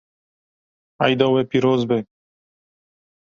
Eyda we pîroz be.